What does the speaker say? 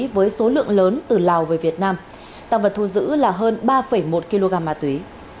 với số lượng lớn từ lào về việt nam tăng vật thu giữ là hơn ba một kg ma túy